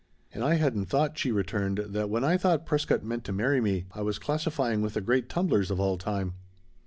"And I hadn't thought," she returned, "that when I thought Prescott meant to marry me I was classifying with the great tumblers of all time!"